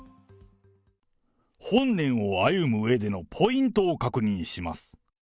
本年を歩むうえでのポイントを確認します。